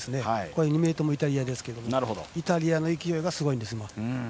２名ともイタリアですけどイタリアの勢いがすごいんです、今。